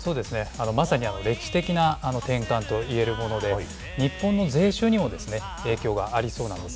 まさに歴史的な転換と言えるもので、日本の税収にも影響がありそうなんです。